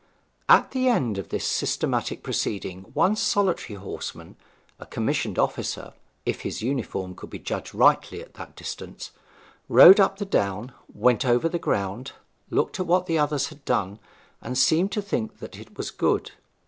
At the end of this systematic proceeding one solitary horseman a commissioned officer, if his uniform could be judged rightly at that distance rode up the down, went over the ground, looked at what the others had done, and seemed to think that it was good.